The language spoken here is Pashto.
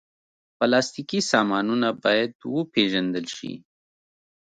پلاستيکي سامانونه باید وپېژندل شي.